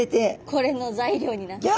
これの材料になった。